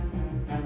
masa yang baik